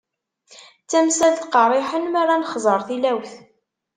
D tamsalt qerriḥen mi ara nexẓer tilawt.